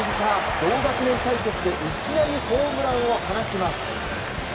同学年対決いきなりホームランを放ちます。